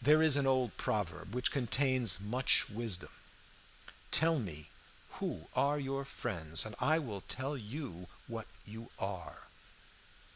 "There is an old proverb which contains much wisdom: 'Tell me who are your friends, and I will tell you what you are.'